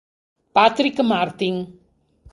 Patrick Martin